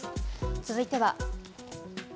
続いては。